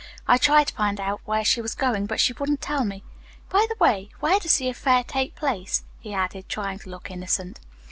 I tried to find out where she was going, but she wouldn't tell me. By the way, where does the affair take place?" he added, trying to look innocent.